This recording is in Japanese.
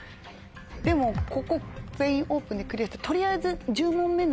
でもここ「全員オープン」でクリアしてとりあえず。